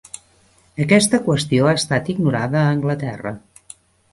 Aquesta qüestió ha estat ignorada a Anglaterra.